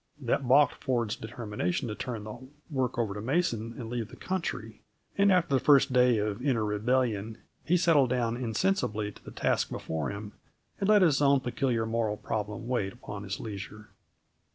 That balked Ford's determination to turn the work over to Mason and leave the country, and, after the first day of inner rebellion, he settled down insensibly to the task before him and let his own peculiar moral problem wait upon his leisure.